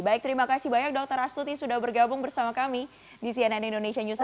baik terima kasih banyak dokter astuti sudah bergabung bersama kami di cnn indonesia newsroo